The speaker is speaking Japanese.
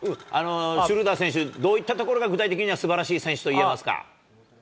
シュルーダー選手、どういったところが具体的にすばらしい選手といえますか？